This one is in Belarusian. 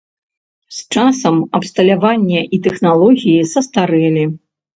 З часам абсталяванне і тэхналогіі састарэлі.